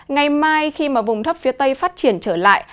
ngày mai khi vùng thấp phía tây phát triển trở lại